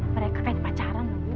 mereka kayak pacaran bu